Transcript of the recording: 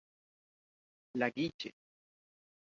La Guiche